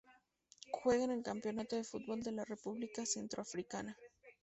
Juega en el Campeonato de fútbol de la República Centroafricana.